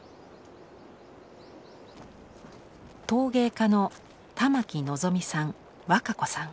陶芸家の玉城望さん若子さん。